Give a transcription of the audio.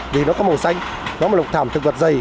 vì nó có màu xanh nó là một thảm thực vật dày